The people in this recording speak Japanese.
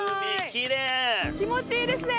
気持ちいいですね。